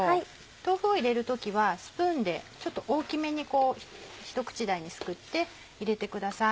豆腐を入れる時はスプーンでちょっと大きめにひと口大にすくって入れてください。